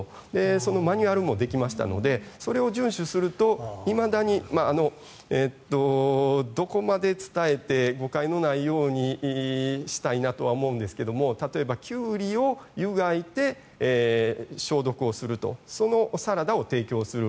そのマニュアルもできましたのでそれを順守すると、いまだにどこまで伝えて誤解のないようにしたいとは思うんですが例えば、キュウリを湯がいて消毒をするとそのサラダを提供する。